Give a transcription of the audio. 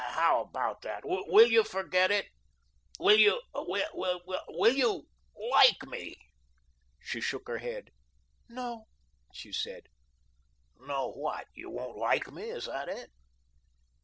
"How about that? Will you forget it? Will you will will you LIKE me?" She shook her head. "No," she said. "No what? You won't like me? Is that it?"